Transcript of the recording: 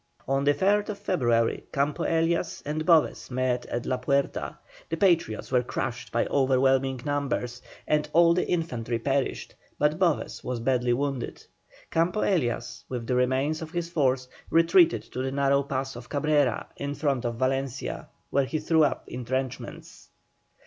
On the 3rd February Campo Elias and Boves met at La Puerta. The Patriots were crushed by overwhelming numbers, and all the infantry perished, but Boves was badly wounded. Campo Elias, with the remains of his force, retreated to the narrow pass of Cabrera in front of Valencia, where he threw up entrenchments.